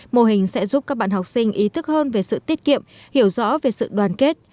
mô hình sẽ giúp các bạn học sinh ý thức hơn về sự tiết kiệm hiểu rõ về sự đoàn kết